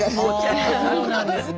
そうなんですね。